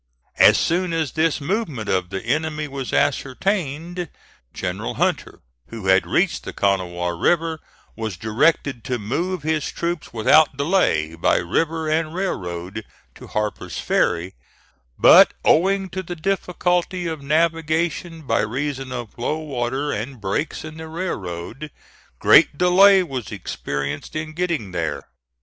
As soon as this movement of the enemy was ascertained, General Hunter, who had reached the Kanawha River, was directed to move his troops without delay, by river and railroad, to Harper's Ferry; but owing to the difficulty of navigation by reason of low water and breaks in the railroad, great delay was experienced in getting there.